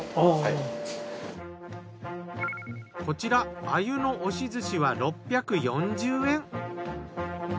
こちらあゆの押し寿司は６４０円。